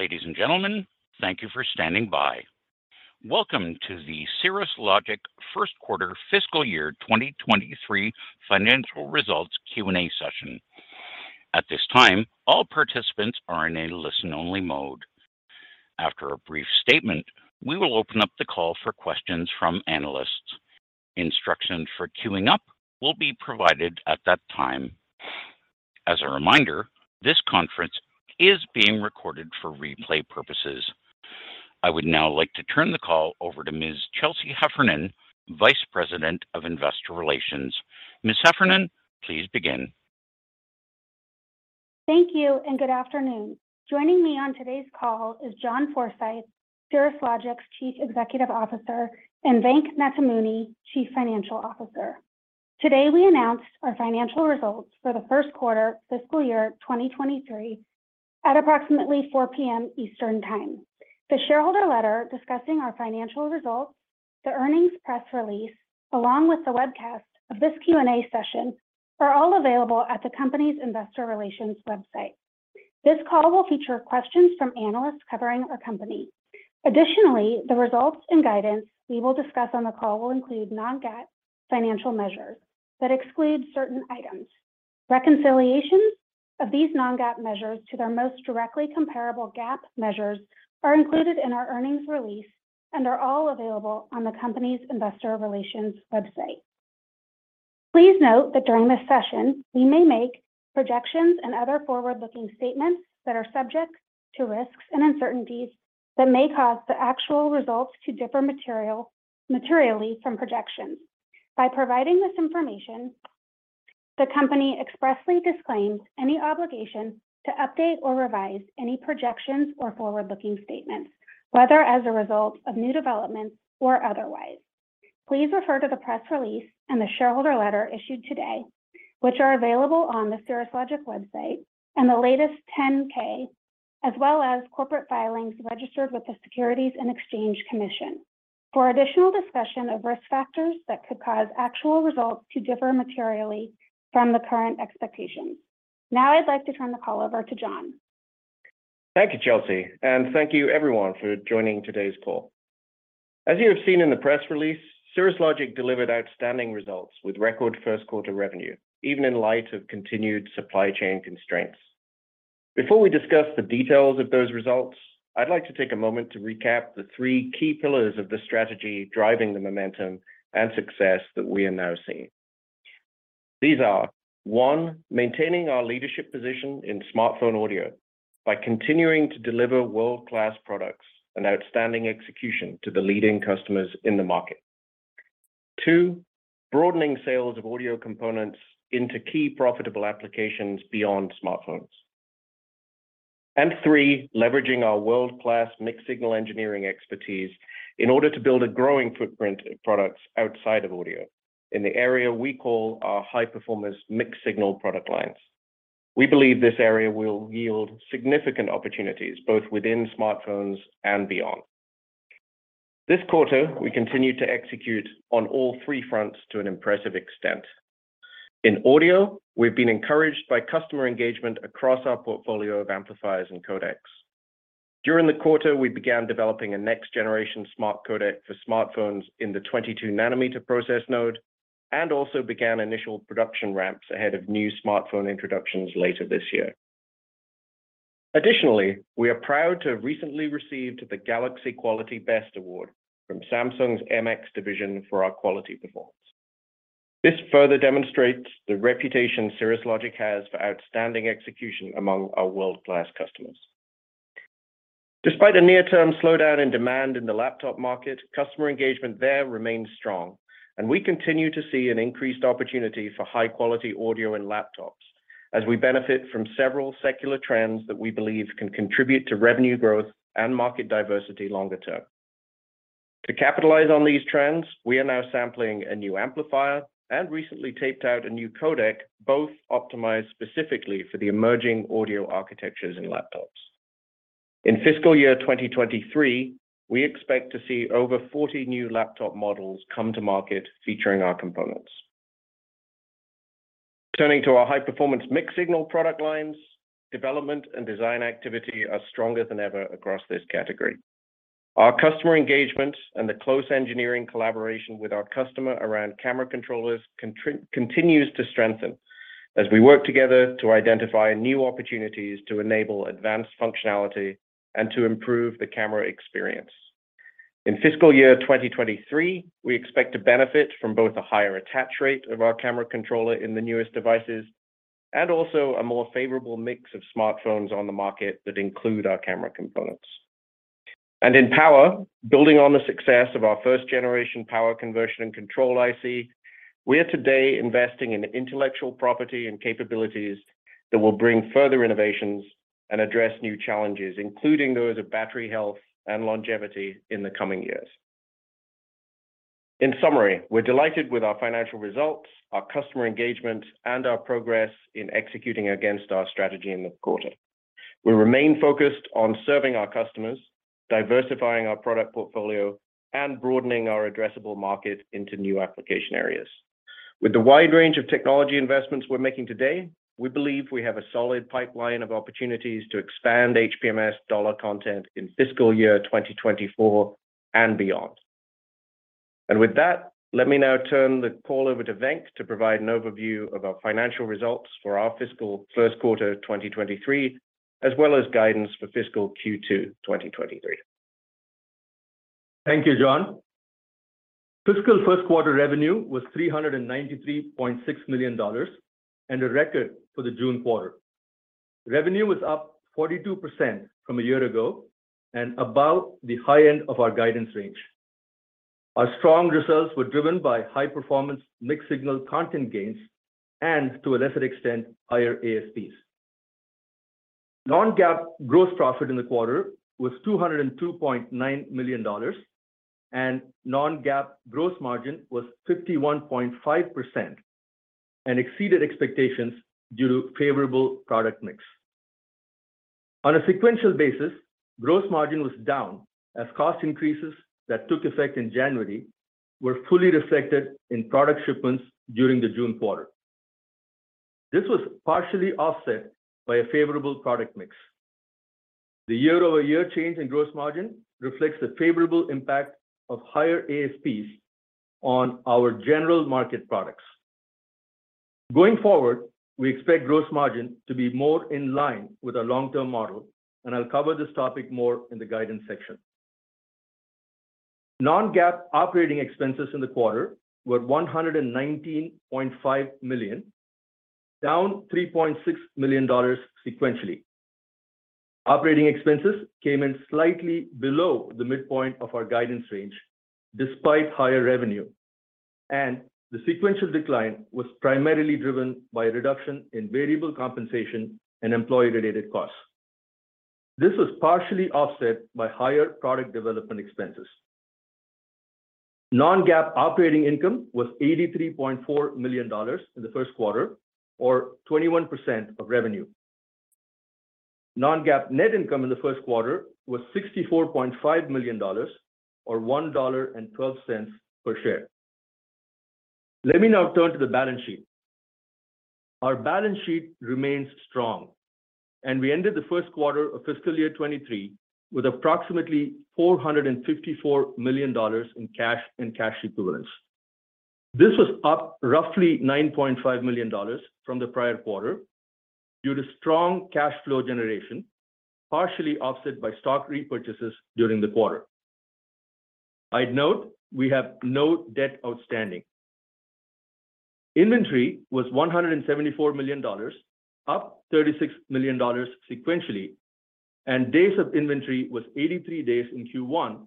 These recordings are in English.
Ladies and gentlemen, thank you for standing by. Welcome to the Cirrus Logic First Quarter Fiscal Year 2023 Financial Results Q&A Session. At this time, all participants are in a listen-only mode. After a brief statement, we will open up the call for questions from analysts. Instructions for queuing up will be provided at that time. As a reminder, this conference is being recorded for replay purposes. I would now like to turn the call over to Ms. Chelsea Heffernan, Vice President of Investor Relations. Ms. Heffernan, please begin. Thank you, and good afternoon. Joining me on today's call is John Forsyth, Cirrus Logic's Chief Executive Officer, and Venk Nathamuni, Chief Financial Officer. Today, we announced our financial results for the first quarter fiscal year 2023 at approximately 4:00 P.M. Eastern Time. The shareholder letter discussing our financial results, the earnings press release, along with the webcast of this Q&A session are all available at the company's investor relations website. This call will feature questions from analysts covering our company. Additionally, the results and guidance we will discuss on the call will include non-GAAP financial measures that exclude certain items. Reconciliations of these non-GAAP measures to their most directly comparable GAAP measures are included in our earnings release and are all available on the company's investor relations website. Please note that during this session, we may make projections and other forward-looking statements that are subject to risks and uncertainties that may cause the actual results to differ materially from projections. By providing this information, the company expressly disclaims any obligation to update or revise any projections or forward-looking statements, whether as a result of new developments or otherwise. Please refer to the press release and the shareholder letter issued today, which are available on the Cirrus Logic website, and the latest 10-K, as well as corporate filings registered with the Securities and Exchange Commission for additional discussion of risk factors that could cause actual results to differ materially from the current expectations. Now I'd like to turn the call over to John. Thank you, Chelsea, and thank you everyone for joining today's call. As you have seen in the press release, Cirrus Logic delivered outstanding results with record first quarter revenue, even in light of continued supply chain constraints. Before we discuss the details of those results, I'd like to take a moment to recap the three key pillars of the strategy driving the momentum and success that we are now seeing. These are, one, maintaining our leadership position in smartphone audio by continuing to deliver world-class products and outstanding execution to the leading customers in the market. Two, broadening sales of audio components into key profitable applications beyond smartphones. Three, leveraging our world-class mixed-signal engineering expertise in order to build a growing footprint in products outside of audio in the area we call our high-performance mixed-signal product lines. We believe this area will yield significant opportunities both within smartphones and beyond. This quarter, we continued to execute on all three fronts to an impressive extent. In audio, we've been encouraged by customer engagement across our portfolio of amplifiers and codecs. During the quarter, we began developing a next-generation smart codec for smartphones in the 22 nm process node and also began initial production ramps ahead of new smartphone introductions later this year. Additionally, we are proud to have recently received the Galaxy Quality Best Award from Samsung's MX division for our quality performance. This further demonstrates the reputation Cirrus Logic has for outstanding execution among our world-class customers. Despite a near-term slowdown in demand in the laptop market, customer engagement there remains strong, and we continue to see an increased opportunity for high-quality audio in laptops as we benefit from several secular trends that we believe can contribute to revenue growth and market diversity longer term. To capitalize on these trends, we are now sampling a new amplifier and recently taped out a new codec, both optimized specifically for the emerging audio architectures in laptops. In fiscal year 2023, we expect to see over 40 new laptop models come to market featuring our components. Turning to our high-performance mixed-signal product lines, development and design activity are stronger than ever across this category. Our customer engagement and the close engineering collaboration with our customer around camera controllers continues to strengthen as we work together to identify new opportunities to enable advanced functionality and to improve the camera experience. In fiscal year 2023, we expect to benefit from both a higher attach rate of our camera controller in the newest devices and also a more favorable mix of smartphones on the market that include our camera components. In power, building on the success of our first generation power conversion and control IC, we're today investing in intellectual property and capabilities that will bring further innovations and address new challenges, including those of battery health and longevity in the coming years. In summary, we're delighted with our financial results, our customer engagement, and our progress in executing against our strategy in the quarter. We remain focused on serving our customers, diversifying our product portfolio, and broadening our addressable market into new application areas. With the wide range of technology investments we're making today, we believe we have a solid pipeline of opportunities to expand HPMS dollar content in fiscal year 2024 and beyond. With that, let me now turn the call over to Venk to provide an overview of our financial results for our fiscal first quarter 2023, as well as guidance for fiscal Q2 2023. Thank you, John. Fiscal first quarter revenue was $393.6 million and a record for the June quarter. Revenue was up 42% from a year ago and about the high end of our guidance range. Our strong results were driven by high-performance mixed-signal content gains and to a lesser extent, higher ASPs. Non-GAAP gross profit in the quarter was $202.9 million, and non-GAAP gross margin was 51.5% and exceeded expectations due to favorable product mix. On a sequential basis, gross margin was down as cost increases that took effect in January were fully reflected in product shipments during the June quarter. This was partially offset by a favorable product mix. The year-over-year change in gross margin reflects the favorable impact of higher ASPs on our general market products. Going forward, we expect gross margin to be more in line with our long-term model, and I'll cover this topic more in the guidance section. Non-GAAP operating expenses in the quarter were $119.5 million, down $3.6 million sequentially. Operating expenses came in slightly below the midpoint of our guidance range despite higher revenue, and the sequential decline was primarily driven by a reduction in variable compensation and employee-related costs. This was partially offset by higher product development expenses. Non-GAAP operating income was $83.4 million in the first quarter, or 21% of revenue. Non-GAAP net income in the first quarter was $64.5 million or $1.12 per share. Let me now turn to the balance sheet. Our balance sheet remains strong, and we ended the first quarter of fiscal year 2023 with approximately $454 million in cash and cash equivalents. This was up roughly $9.5 million from the prior quarter due to strong cash flow generation, partially offset by stock repurchases during the quarter. I'd note we have no debt outstanding. Inventory was $174 million, up $36 million sequentially, and days of inventory was 83 days in Q1,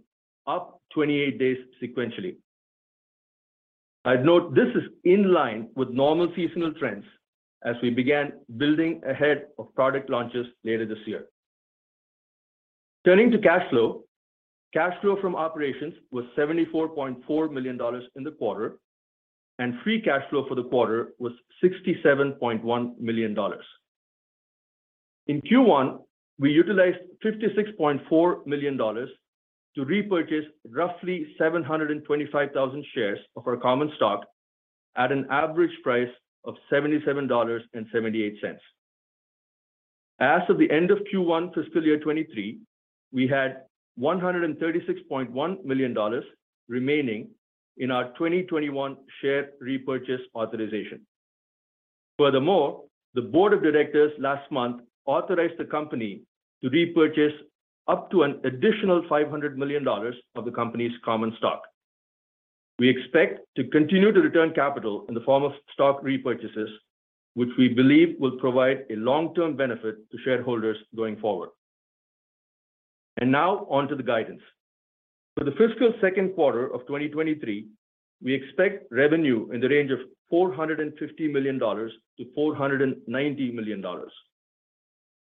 up 28 days sequentially. I'd note this is in line with normal seasonal trends as we began building ahead of product launches later this year. Turning to cash flow. Cash flow from operations was $74.4 million in the quarter, and Free Cash Flow for the quarter was $67.1 million. In Q1, we utilized $56.4 million to repurchase roughly 725,000 shares of our common stock at an average price of $77.78. As of the end of Q1 fiscal year 2023, we had $136.1 million remaining in our 2021 share repurchase authorization. Furthermore, the board of directors last month authorized the company to repurchase up to an additional $500 million of the company's common stock. We expect to continue to return capital in the form of stock repurchases, which we believe will provide a long-term benefit to shareholders going forward. Now on to the guidance. For the fiscal second quarter of 2023, we expect revenue in the range of $450 million-$490 million.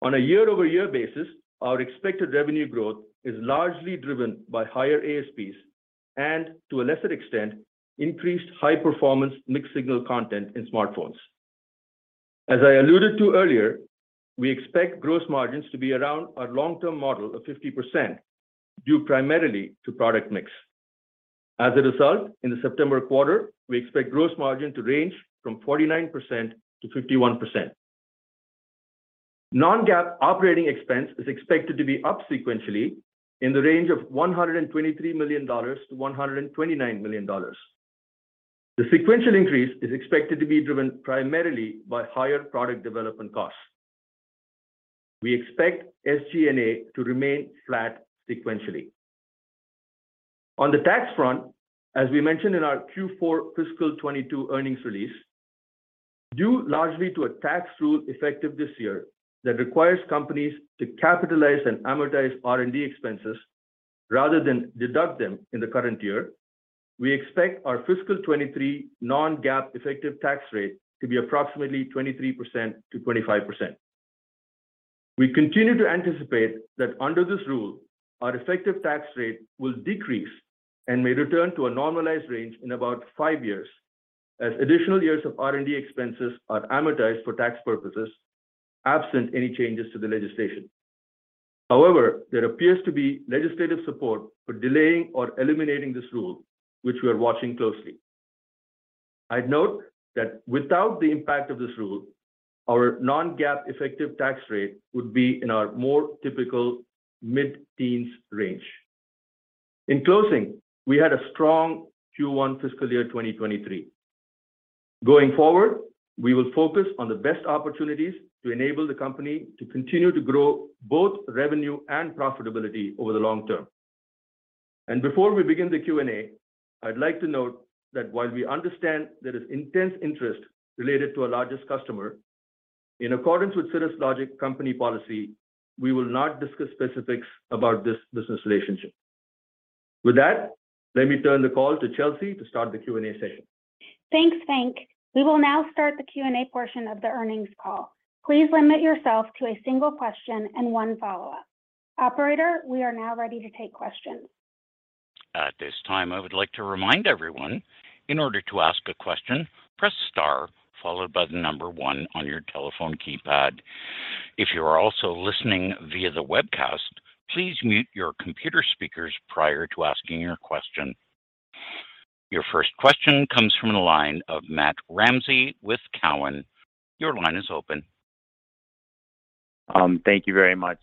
On a year-over-year basis, our expected revenue growth is largely driven by higher ASPs and to a lesser extent, increased high-performance mixed-signal content in smartphones. As I alluded to earlier, we expect gross margins to be around our long-term model of 50%, due primarily to product mix. As a result, in the September quarter, we expect gross margin to range from 49%-51%. Non-GAAP operating expense is expected to be up sequentially in the range of $123 million-$129 million. The sequential increase is expected to be driven primarily by higher product development costs. We expect SG&A to remain flat sequentially. On the tax front, as we mentioned in our Q4 fiscal 2022 earnings release, due largely to a tax rule effective this year that requires companies to capitalize and amortize R&D expenses rather than deduct them in the current year, we expect our fiscal 2023 non-GAAP effective tax rate to be approximately 23%-25%. We continue to anticipate that under this rule, our effective tax rate will decrease and may return to a normalized range in about five years as additional years of R&D expenses are amortized for tax purposes, absent any changes to the legislation. However, there appears to be legislative support for delaying or eliminating this rule, which we are watching closely. I'd note that without the impact of this rule, our non-GAAP effective tax rate would be in our more typical mid-teens range. In closing, we had a strong Q1 fiscal year 2023. Going forward, we will focus on the best opportunities to enable the company to continue to grow both revenue and profitability over the long term. Before we begin the Q&A, I'd like to note that while we understand there is intense interest related to our largest customer, in accordance with Cirrus Logic company policy, we will not discuss specifics about this business relationship. With that, let me turn the call to Chelsea to start the Q&A session. Thanks, Venk. We will now start the Q&A portion of the earnings call. Please limit yourself to a single question and one follow-up. Operator, we are now ready to take questions. At this time, I would like to remind everyone, in order to ask a question, press star followed by the number one on your telephone keypad. If you are also listening via the webcast, please mute your computer speakers prior to asking your question. Your first question comes from the line of Matthew Ramsay with Cowen. Your line is open. Thank you very much,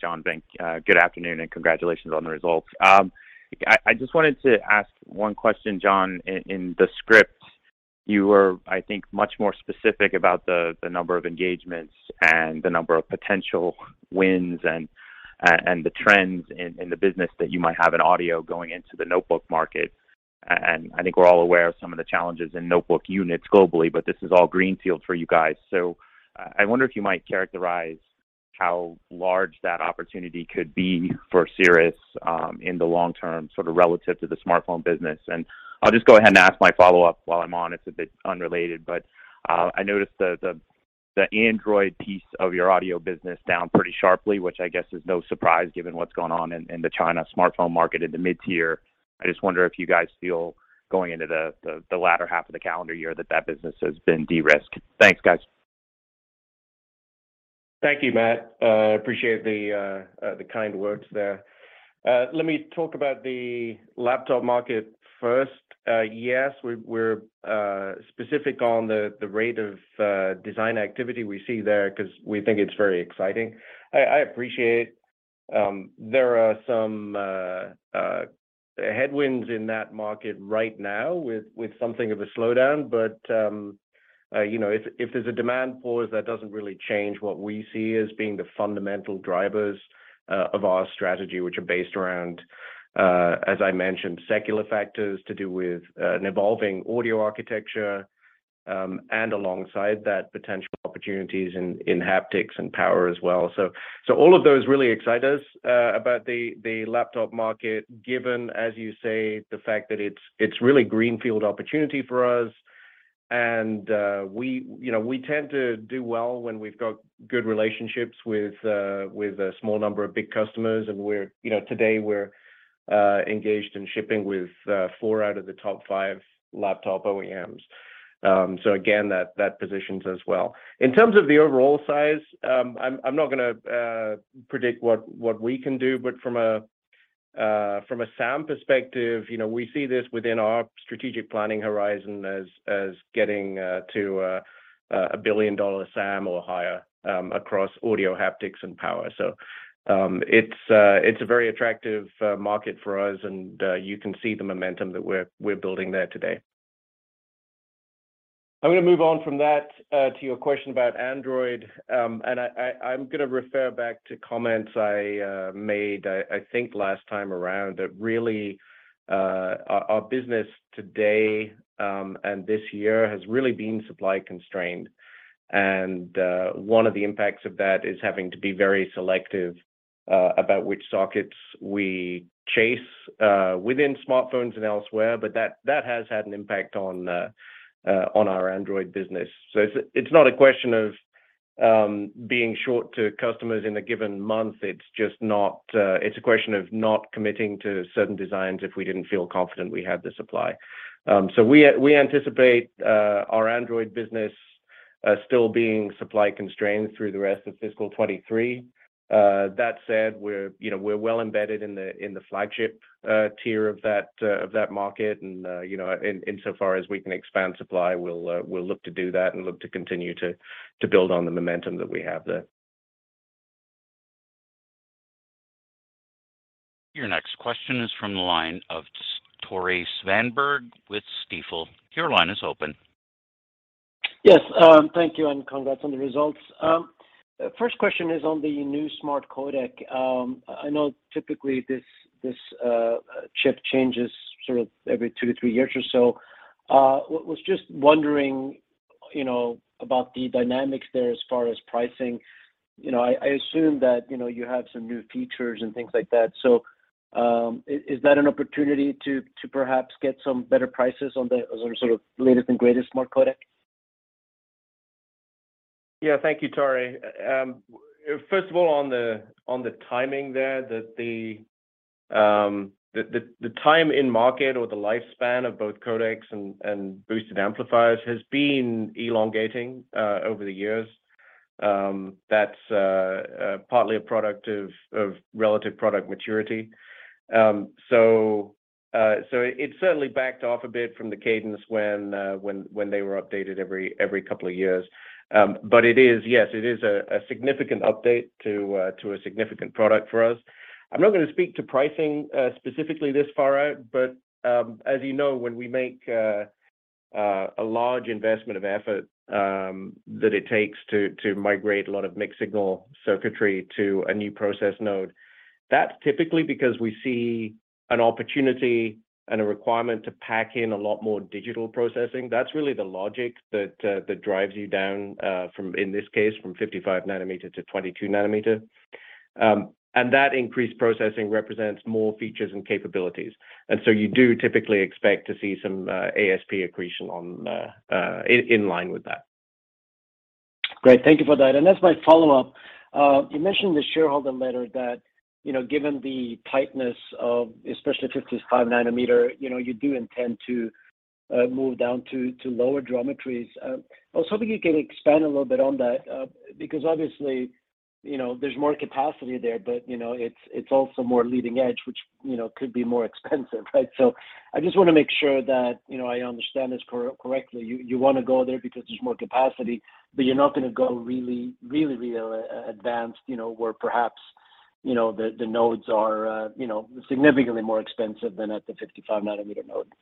John and Venk. Good afternoon and congratulations on the results. I just wanted to ask one question, John. In the script, you were, I think, much more specific about the number of engagements and the number of potential wins and the trends in the business that you might have in audio going into the notebook market. I think we're all aware of some of the challenges in notebook units globally, but this is all greenfield for you guys. I wonder if you might characterize how large that opportunity could be for Cirrus, in the long term, sort of relative to the smartphone business. I'll just go ahead and ask my follow-up while I'm on. It's a bit unrelated, but I noticed the Android piece of your audio business down pretty sharply, which I guess is no surprise given what's gone on in the China smartphone market in the mid-tier. I just wonder if you guys feel going into the latter half of the calendar year that business has been de-risked. Thanks, guys. Thank you, Matt. Appreciate the kind words there. Let me talk about the laptop market first. Yes, we're specific on the rate of design activity we see there because we think it's very exciting. I appreciate there are some headwinds in that market right now with something of a slowdown. You know, if there's a demand pause, that doesn't really change what we see as being the fundamental drivers of our strategy, which are based around, as I mentioned, secular factors to do with an evolving audio architecture, and alongside that, potential opportunities in haptics and power as well. All of those really excite us about the laptop market, given as you say the fact that it's really greenfield opportunity for us. We you know tend to do well when we've got good relationships with a small number of big customers. We're you know today engaged in shipping with four out of the top five laptop OEMs. That positions us well. In terms of the overall size, I'm not gonna predict what we can do, but from a SAM perspective, you know, we see this within our strategic planning horizon as getting to a billion-dollar SAM or higher, across audio, haptics, and power. It's a very attractive market for us, and you can see the momentum that we're building there today. I'm gonna move on from that to your question about Android. I'm gonna refer back to comments I made, I think last time around, that really our business today and this year has really been supply constrained. One of the impacts of that is having to be very selective about which sockets we chase within smartphones and elsewhere, but that has had an impact on our Android business. It's not a question of being short to customers in a given month. It's just not, it's a question of not committing to certain designs if we didn't feel confident we had the supply. We anticipate our Android business still being supply constrained through the rest of fiscal 2023. That said, we're, you know, we're well embedded in the flagship tier of that market. You know, insofar as we can expand supply, we'll look to do that and look to continue to build on the momentum that we have there. Your next question is from the line of Tore Svanberg with Stifel. Your line is open. Yes, thank you, and congrats on the results. First question is on the new smart codec. I know typically this chip changes sort of every two-three years or so. I was just wondering, you know, about the dynamics there as far as pricing. You know, I assume that, you know, you have some new features and things like that. Is that an opportunity to perhaps get some better prices on the sort of latest and greatest smart codec? Yeah. Thank you, Tore. First of all, on the timing there, the time in market or the lifespan of both codecs and boosted amplifiers has been elongating over the years. That's partly a product of relative product maturity. It certainly backed off a bit from the cadence when they were updated every couple of years. Yes, it is a significant update to a significant product for us. I'm not gonna speak to pricing specifically this far out, but as you know, when we make a large investment of effort that it takes to migrate a lot of mixed-signal circuitry to a new process node, that's typically because we see an opportunity and a requirement to pack in a lot more digital processing. That's really the logic that drives you down from, in this case, 55 nm to 22 nm. That increased processing represents more features and capabilities. You do typically expect to see some ASP accretion in line with that. Great. Thank you for that. As my follow-up, you mentioned the shareholder letter that, you know, given the tightness of especially 55 nm, you know, you do intend to move down to lower geometries. I was hoping you could expand a little bit on that, because obviously, you know, there's more capacity there, but, you know, it's also more leading edge, which, you know, could be more expensive, right? I just wanna make sure that, you know, I understand this correctly. You wanna go there because there's more capacity, but you're not gonna go really advanced, you know, where perhaps, you know, the nodes are significantly more expensive than at the 55 nm node.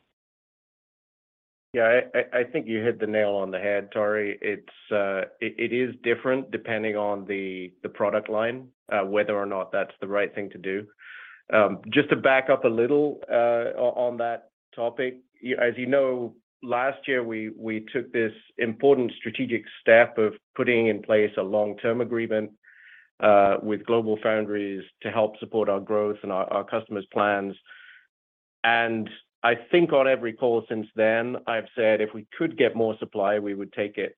Yeah. I think you hit the nail on the head, Tore. It is different depending on the product line whether or not that's the right thing to do. Just to back up a little on that topic, as you know, last year, we took this important strategic step of putting in place a long-term agreement with GlobalFoundries to help support our growth and our customers' plans. I think on every call since then, I've said, "If we could get more supply, we would take it."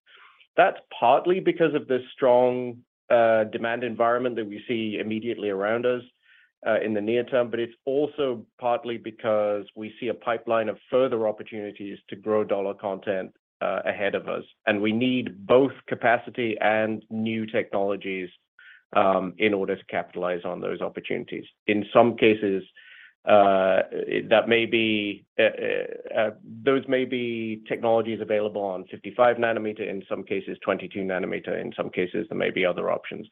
That's partly because of the strong demand environment that we see immediately around us in the near term, but it's also partly because we see a pipeline of further opportunities to grow dollar content ahead of us. We need both capacity and new technologies in order to capitalize on those opportunities. In some cases, those may be technologies available on 55 nm, in some cases 22 nm, in some cases there may be other options.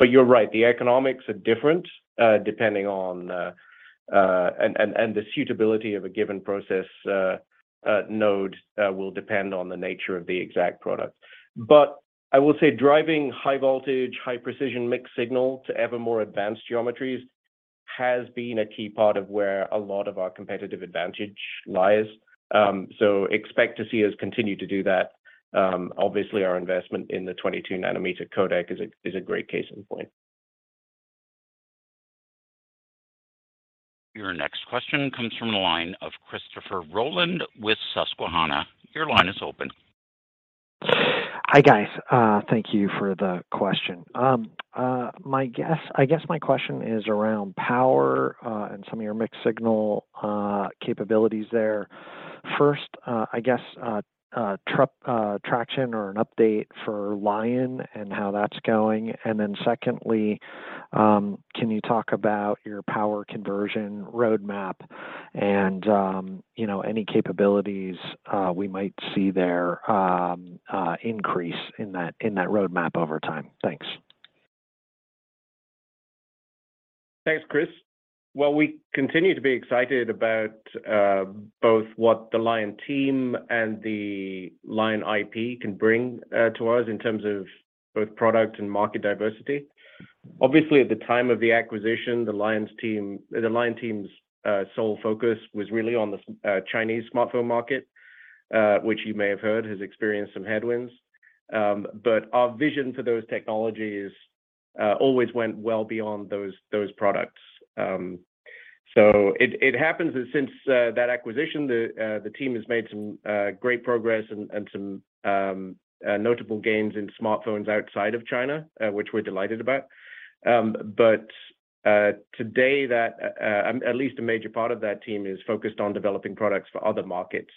You're right, the economics are different. The suitability of a given process node will depend on the nature of the exact product. I will say driving high-voltage, high-precision mixed-signal to ever more advanced geometries has been a key part of where a lot of our competitive advantage lies. Expect to see us continue to do that. Obviously, our investment in the 22 nm codec is a great case in point. Your next question comes from the line of Christopher Rolland with Susquehanna. Your line is open. Hi, guys. Thank you for the question. I guess my question is around power and some of your mixed-signal capabilities there. First, I guess, traction or an update for Lion and how that's going. And then secondly, can you talk about your power conversion roadmap and, you know, any capabilities we might see there, increase in that roadmap over time? Thanks. Thanks, Chris. Well, we continue to be excited about both what the Lion team and the Lion IP can bring to us in terms of both product and market diversity. Obviously, at the time of the acquisition, the Lion team's sole focus was really on the Chinese smartphone market, which you may have heard has experienced some headwinds. Our vision for those technologies always went well beyond those products. It happens that since that acquisition, the team has made some great progress and some notable gains in smartphones outside of China, which we're delighted about. Today, at least a major part of that team is focused on developing products for other markets,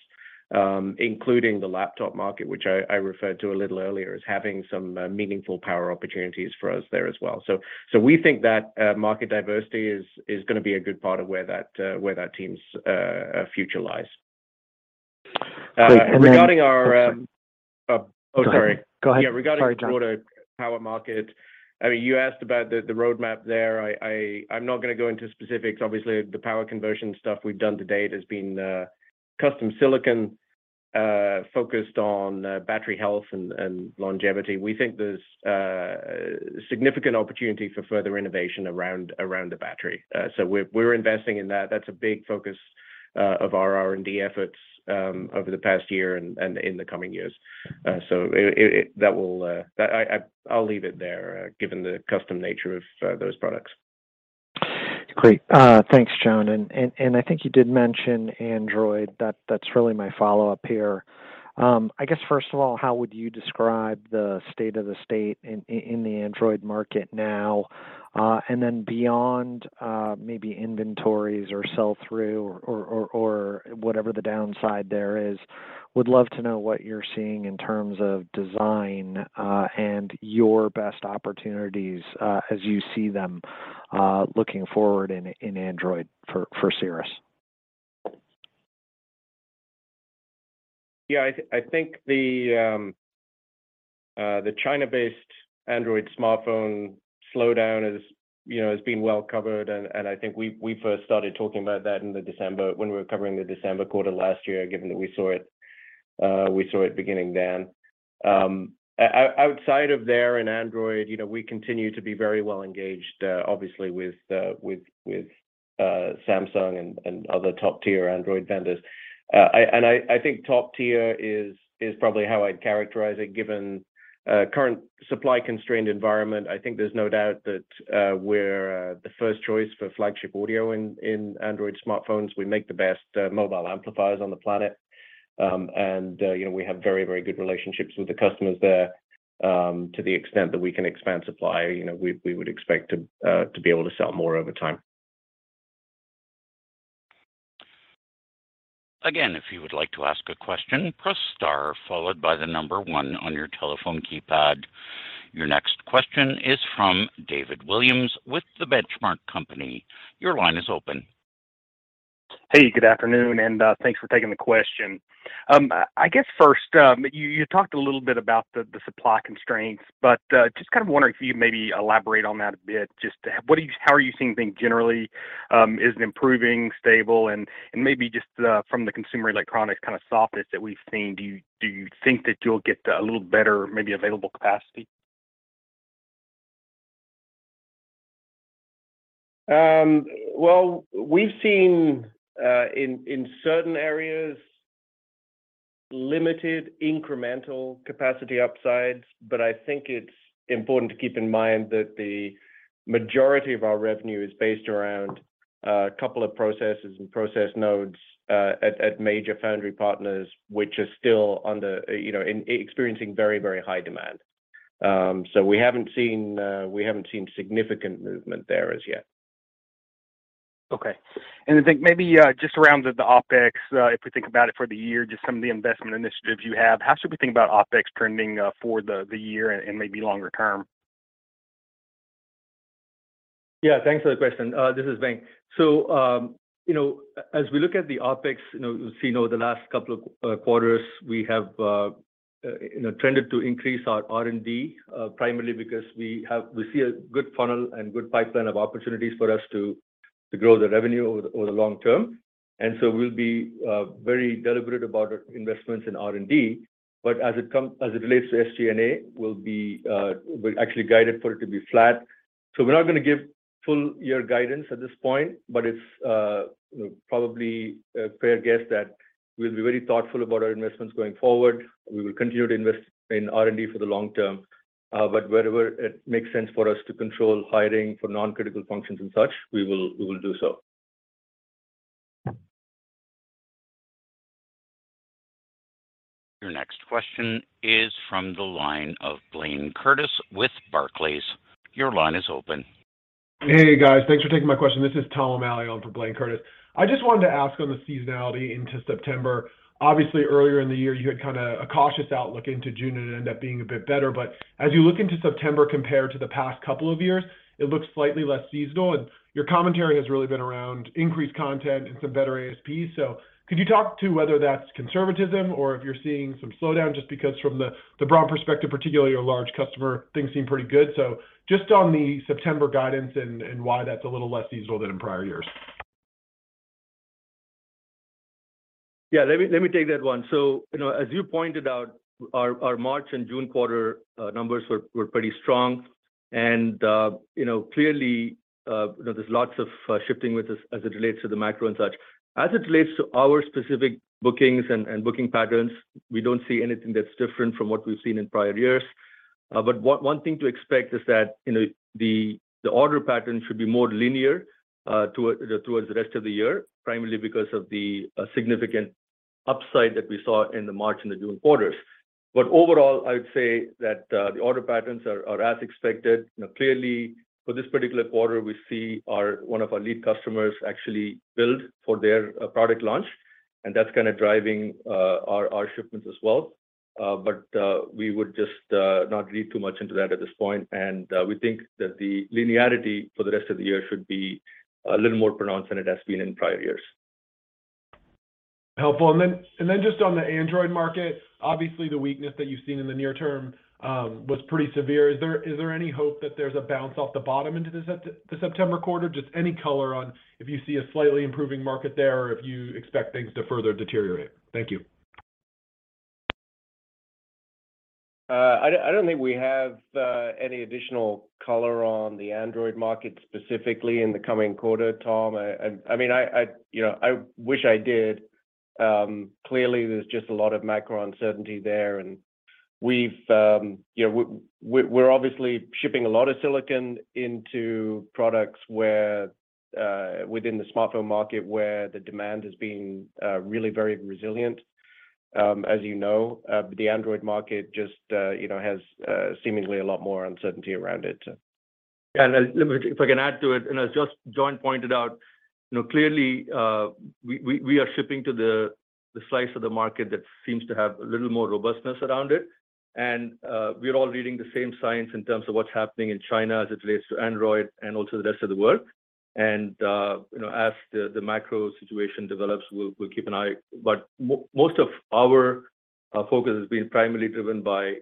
including the laptop market, which I referred to a little earlier as having some meaningful power opportunities for us there as well. We think that market diversity is gonna be a good part of where that team's future lies. Great. Sorry. Go ahead. Sorry, John. Yeah, regarding the broader power market, I mean, you asked about the roadmap there. I'm not gonna go into specifics. Obviously, the power conversion stuff we've done to date has been custom silicon focused on battery health and longevity. We think there's significant opportunity for further innovation around the battery. So we're investing in that. That's a big focus of our R&D efforts over the past year and in the coming years. So I'll leave it there, given the custom nature of those products. Great. Thanks, John. I think you did mention Android, that's really my follow-up here. I guess, first of all, how would you describe the state of the state in the Android market now? Beyond maybe inventories or sell-through or whatever the downside there is, would love to know what you're seeing in terms of design and your best opportunities as you see them looking forward in Android for Cirrus. Yeah. I think the China-based Android smartphone slowdown is, you know, has been well covered. I think we first started talking about that in December, when we were covering the December quarter last year, given that we saw it beginning then. Outside of there in Android, you know, we continue to be very well engaged, obviously with Samsung and other top-tier Android vendors. I think top tier is probably how I'd characterize it, given current supply-constrained environment. I think there's no doubt that we're the first choice for flagship audio in Android smartphones. We make the best mobile amplifiers on the planet. You know, we have very, very good relationships with the customers there, to the extent that we can expand supply. You know, we would expect to be able to sell more over time. Again, if you would like to ask a question, press star followed by the number one on your telephone keypad. Your next question is from David Williams with The Benchmark Company. Your line is open. Hey, good afternoon, and thanks for taking the question. I guess first, you talked a little bit about the supply constraints, but just kind of wondering if you'd maybe elaborate on that a bit. How are you seeing things generally? Is it improving, stable? Maybe just from the consumer electronics kind of softness that we've seen, do you think that you'll get a little better maybe available capacity? Well, we've seen in certain areas limited incremental capacity upsides, but I think it's important to keep in mind that the majority of our revenue is based around a couple of processes and process nodes at major foundry partners, which are still under, you know, experiencing very, very high demand. We haven't seen significant movement there as yet. Okay. I think maybe just around the OpEx, if we think about it for the year, just some of the investment initiatives you have, how should we think about OpEx trending for the year and maybe longer term? Yeah. Thanks for the question. This is Venk. You know, as we look at the OpEx, you know, you see over the last couple of quarters, we have, you know, tended to increase our R&D, primarily because we see a good funnel and good pipeline of opportunities for us to grow the revenue over the long term. We'll be very deliberate about our investments in R&D. As it relates to SG&A, we'll actually guide it for it to be flat. We're not gonna give full year guidance at this point, but it's, you know, probably a fair guess that we'll be very thoughtful about our investments going forward. We will continue to invest in R&D for the long term. Wherever it makes sense for us to control hiring for non-critical functions and such, we will do so. Your next question is from the line of Blayne Curtis with Barclays. Your line is open. Hey, guys. Thanks for taking my question. This is Tom O'Malley on for Blayne Curtis. I just wanted to ask on the seasonality into September. Obviously, earlier in the year, you had kinda a cautious outlook into June, and it ended up being a bit better. As you look into September compared to the past couple of years, it looks slightly less seasonal, and your commentary has really been around increased content and some better ASP. Could you talk to whether that's conservatism or if you're seeing some slowdown, just because from the broad perspective, particularly your large customer, things seem pretty good. Just on the September guidance and why that's a little less seasonal than in prior years. Let me take that one. So, you know, as you pointed out, our March and June quarter numbers were pretty strong. You know, clearly, you know, there's lots of shifting with this as it relates to the macro and such. As it relates to our specific bookings and booking patterns, we don't see anything that's different from what we've seen in prior years. One thing to expect is that, you know, the order pattern should be more linear toward the rest of the year, primarily because of the significant upside that we saw in the March and the June quarters. Overall, I would say that the order patterns are as expected. You know, clearly for this particular quarter, we see one of our lead customers actually build for their product launch, and that's kinda driving our shipments as well. We would just not read too much into that at this point. We think that the linearity for the rest of the year should be a little more pronounced than it has been in prior years. Helpful. Just on the Android market, obviously the weakness that you've seen in the near term was pretty severe. Is there any hope that there's a bounce off the bottom into the September quarter? Just any color on if you see a slightly improving market there, or if you expect things to further deteriorate. Thank you. I don't think we have any additional color on the Android market specifically in the coming quarter, Tom. I mean, you know, I wish I did. Clearly there's just a lot of macro uncertainty there, and we're obviously shipping a lot of silicon into products where within the smartphone market where the demand has been really very resilient. As you know, the Android market just, you know, has seemingly a lot more uncertainty around it. If I can add to it, as just John pointed out, you know, clearly, we are shipping to the slice of the market that seems to have a little more robustness around it. We're all reading the same signs in terms of what's happening in China as it relates to Android and also the rest of the world. You know, as the macro situation develops, we'll keep an eye. But most of our focus has been primarily driven by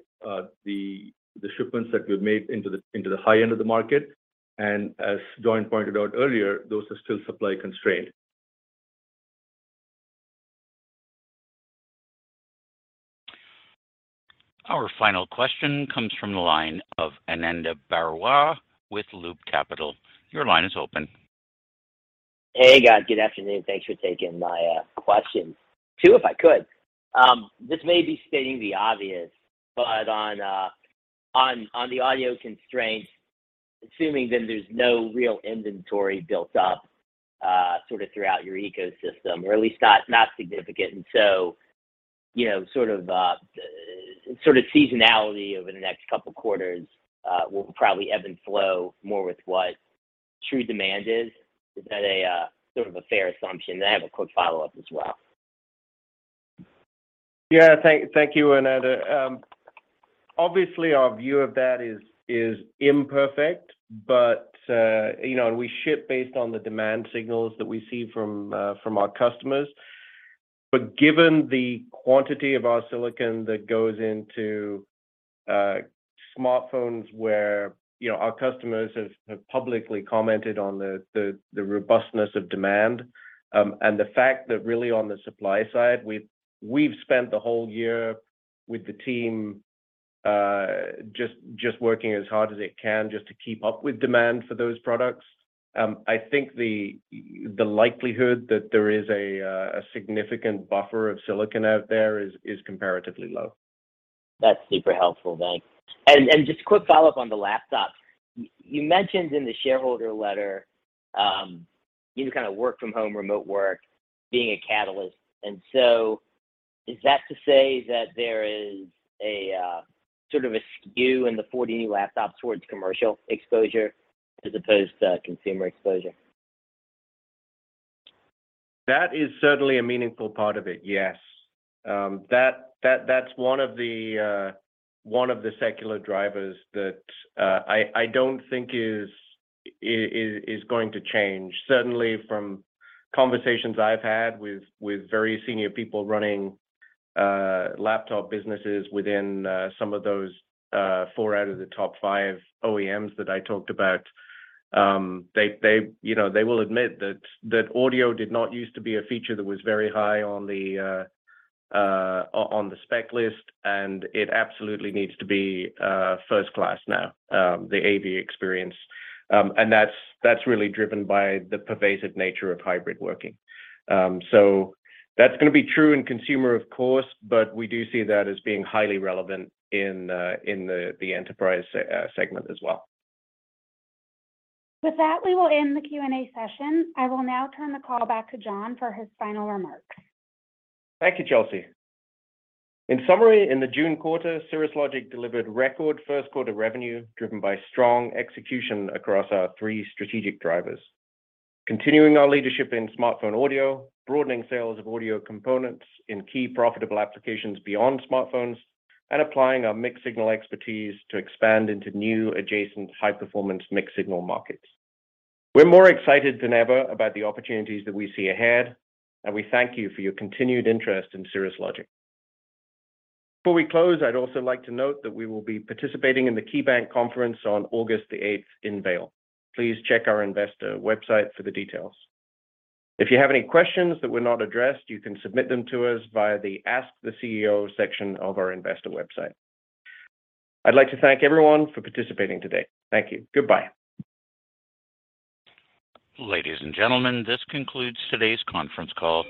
the shipments that we've made into the high end of the market. As John pointed out earlier, those are still supply constrained. Our final question comes from the line of Ananda Baruah with Loop Capital. Your line is open. Hey, guys. Good afternoon. Thanks for taking my question. Two, if I could. This may be stating the obvious, but on the audio constraint, assuming that there's no real inventory built up, sort of throughout your ecosystem, or at least not significant. You know, sort of seasonality over the next couple quarters will probably ebb and flow more with what true demand is. Is that a sort of a fair assumption? I have a quick follow-up as well. Yeah. Thank you, Ananda. Obviously, our view of that is imperfect, but you know, we ship based on the demand signals that we see from our customers. Given the quantity of our silicon that goes into smartphones where our customers have publicly commented on the robustness of demand, and the fact that really on the supply side, we've spent the whole year with the team just working as hard as it can just to keep up with demand for those products. I think the likelihood that there is a significant buffer of silicon out there is comparatively low. That's super helpful. Thanks. Just quick follow-up on the laptops. You mentioned in the shareholder letter, you know, kind of work from home, remote work being a catalyst, and so is that to say that there is a sort of a skew in the 40 new laptops towards commercial exposure as opposed to consumer exposure? That is certainly a meaningful part of it, yes. That's one of the secular drivers that I don't think is going to change. Certainly from conversations I've had with very senior people running laptop businesses within some of those four out of the top five OEMs that I talked about, they, you know, they will admit that audio did not used to be a feature that was very high on the spec list, and it absolutely needs to be first class now, the AV experience. That's really driven by the pervasive nature of hybrid working. That's gonna be true in consumer, of course, but we do see that as being highly relevant in the enterprise segment as well. With that, we will end the Q&A session. I will now turn the call back to John for his final remarks. Thank you, Chelsea. In summary, in the June quarter, Cirrus Logic delivered record first quarter revenue driven by strong execution across our three strategic drivers, continuing our leadership in smartphone audio, broadening sales of audio components in key profitable applications beyond smartphones, and applying our mixed-signal expertise to expand into new adjacent high-performance mixed-signal markets. We're more excited than ever about the opportunities that we see ahead, and we thank you for your continued interest in Cirrus Logic. Before we close, I'd also like to note that we will be participating in the KeyBanc conference on August 8 in Vail. Please check our investor website for the details. If you have any questions that were not addressed, you can submit them to us via the Ask the CEO section of our investor website. I'd like to thank everyone for participating today. Thank you. Goodbye. Ladies and gentlemen, this concludes today's conference call.